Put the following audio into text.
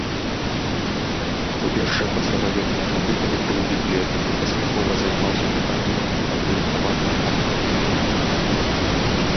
У першыя пасляваенныя гады калектыў бібліятэкі паспяхова займаўся пытаннямі камплектавання фонду.